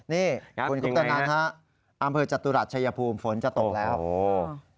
นี่คุณคุปตนันฮะอำเภอจตุรัสชายภูมิฝนจะตกแล้วโอ้